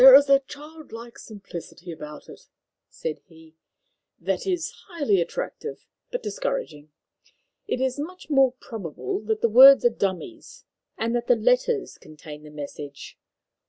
"There is a childlike simplicity about it," said he, "that is highly attractive but discouraging. It is much more probable that the words are dummies, and that the letters contain the message.